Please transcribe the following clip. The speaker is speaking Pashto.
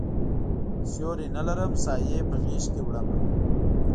سیوری نه لرم سایې په غیږکې وړمه